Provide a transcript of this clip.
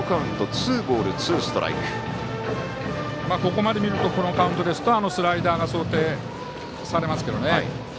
ここまで見るとこのカウントですとスライダーが想定されますけどね。